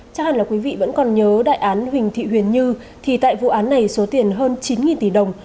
chắc hẳn là quý vị vẫn còn nhớ đại án huỳnh thị huyền như thì tại vụ án này số tiền hơn chín tỷ đồng